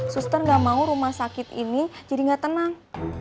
susar gak mau rumah sakit ini jadi gak tenang